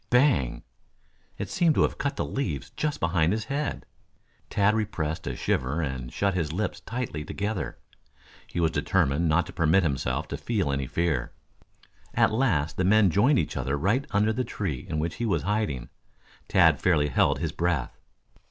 Bang! It seemed to have cut the leaves just behind his head. Tad repressed a shiver and shut his lips tightly together. He was determined not to permit himself to feel any fear. At last the men joined each other right under the tree in which he was hiding. Tad fairly held his breath.